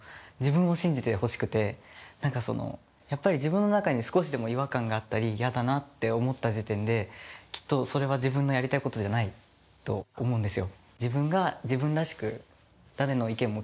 あのやっぱり自分の中に少しでも違和感があったり嫌だなって思った時点できっとそれは自分のやりたいことじゃないと思うんですよ。